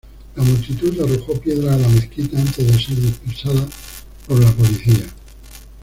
La multitud arrojó piedras a la mezquita antes de ser dispersada por la policía.